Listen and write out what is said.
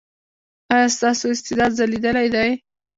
ایا ستاسو استعداد ځلیدلی دی؟